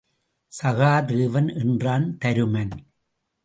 சகாதேவனை என்றான் தருமன்.